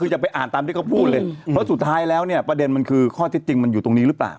หรแผ่นมันคือข้อที่จริงมันอยู่ตรงนี้รึเปล่า